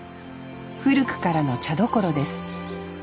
古くからの茶どころです。